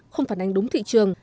không phản ánh đúng thị trường